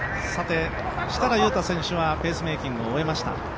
設楽悠太選手はペースメーキングを終えました。